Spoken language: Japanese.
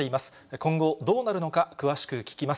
今後、どうなるのか、詳しく聞きます。